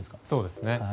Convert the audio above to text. そうですね。